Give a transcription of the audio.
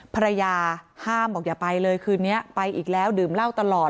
ภรรยาห้ามบอกอย่าไปเลยคืนนี้ไปอีกแล้วดื่มเหล้าตลอด